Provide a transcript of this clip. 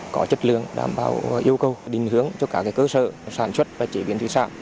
có chất lượng đảm bảo yêu cầu đình hướng cho các cơ sở sản xuất và chế biến thủy sản